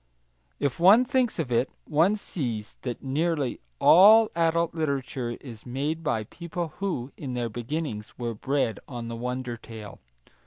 If one thinks of it, one sees that nearly all adult literature is made by people who, in their beginnings, were bred on the wonder tale.